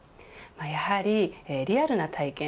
やはりリアルな体験